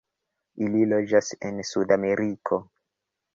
Ili loĝas en Sudameriko.